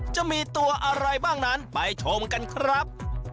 จะมีตัวอะไรบ้างนั้นไปชมกันครับ